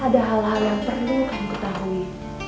ada hal hal yang perlu kamu ketahui